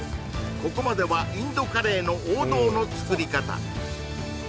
ここまではインドカレーの王道の作り方